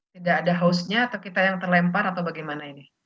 tidak ada hostnya atau kita yang terlempar atau bagaimana ini